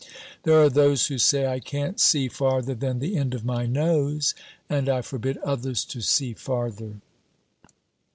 '" "There are those who say, 'I can't see farther than the end of my nose, and I forbid others to see farther!'"